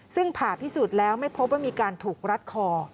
ซึ่งผ่าพิสูจน์แล้วไม่พบว่ามีการถูกรัดคอ